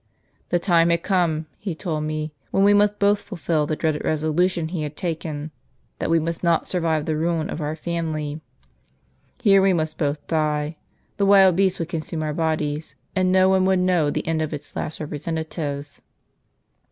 The time was come, he told me, when we must both fulfil the dreadful resolution he had taken, that we must not survive the ruin of our family. Here we must both die ; the wild beasts would consume our bodies, and no one would know the end of its last representatives.